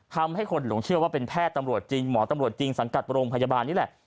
ทำให้คนหลงเชื่อว่าเป็นแพทย์ตำรวจจริงหมอตำรวจจริงสังกัดโรงพยาบาลนี่แหละ